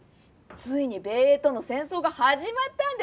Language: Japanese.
ついに米英との戦争が始まったんですよ！